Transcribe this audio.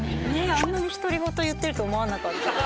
あんなに独り言言ってると思わなかった。